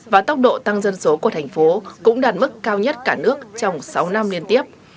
và tốc độ tăng dân số của thành phố cũng đạt mức cao nhất cả nước trong sáu năm liên tiếp